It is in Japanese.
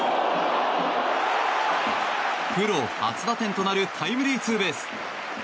プロ初打点となるタイムリーツーベース。